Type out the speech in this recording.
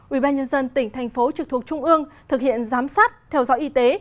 ủy ban nhân dân tỉnh thành phố trực thuộc trung ương thực hiện giám sát theo dõi y tế